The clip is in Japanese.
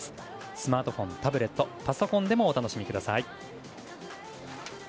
スマートフォン、タブレットパソコンでもお楽しみください。